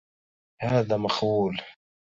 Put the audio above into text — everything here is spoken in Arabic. هذا مقبول!